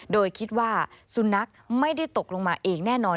โดยคิดว่าสุนัขไม่ได้ตกลงมาเองแน่นอน